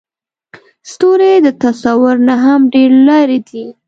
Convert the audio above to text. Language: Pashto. ستوري د تصور نه هم ډېر لرې دي.